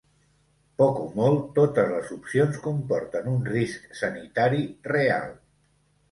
Poc o molt, totes les opcions comporten un risc sanitari real.